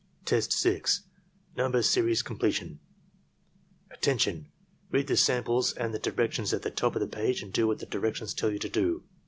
Test 6. — Number Series Completion "Attention! Read the samples and the directions at the top of the page and do what the directions tell you to do.